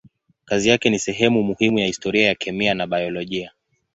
Kazi yake ni sehemu muhimu ya historia ya kemia na biolojia.